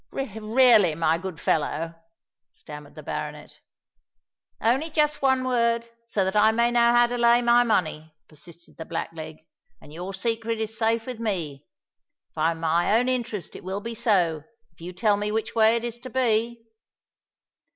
"Really, my good fellow——" stammered the baronet. "Only just one word, so that I may know how to lay my money," persisted the black leg, "and your secret is safe with me. For my own interest it will be so, if you tell me which way it is to be."